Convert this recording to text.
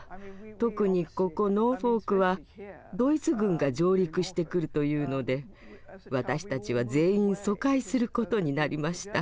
特にここノーフォークはドイツ軍が上陸してくるというので私たちは全員疎開することになりました。